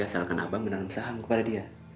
asalkan abang menanam saham kepada dia